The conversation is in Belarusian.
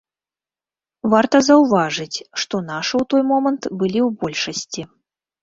Варта заўважыць, што нашы ў той момант былі ў большасці.